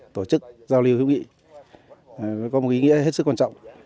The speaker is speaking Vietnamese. tổ chức giao lưu hữu nghị có một ý nghĩa hết sức quan trọng